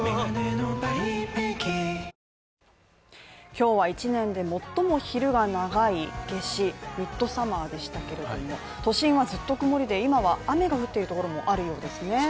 今日は１年で最も昼が長い夏至ミッドサマーでしたけれども都心はずっと曇りで今は雨が降っているところもあるようですね。